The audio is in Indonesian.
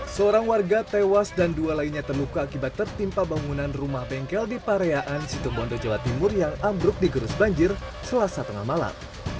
seorang warga tewas dan dua lainnya terluka akibat tertimpa bangunan rumah bengkel di pareaan situbondo jawa timur yang ambruk digerus banjir selasa tengah malam